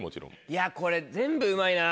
いやこれ全部うまいな！